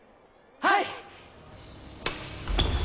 はい！